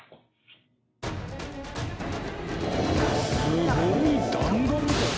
すごい弾丸みたい。